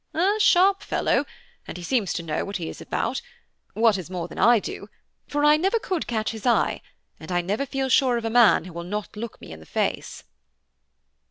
"A sharp fellow, and he seems to know what he is about, what is more than I do; for I never could catch his eye, and I never feel sure of a man who will not look me in the face."